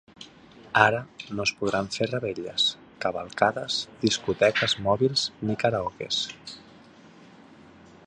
Ara, no es podran fer revetlles, cavalcades, discoteques mòbils ni karaokes.